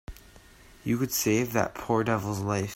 You could save that poor devil's life.